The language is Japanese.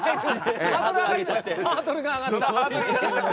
ハードルが上がった。